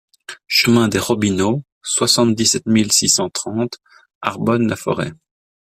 Chemin des Robineaux, soixante-dix-sept mille six cent trente Arbonne-la-Forêt